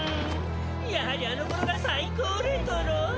やはりあの頃が最高レトロ！